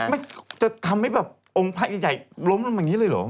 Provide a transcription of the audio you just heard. ไม่จะทำให้แบบองค์ภาคใหญ่ล้มมาแบบนี้เลยเหรอ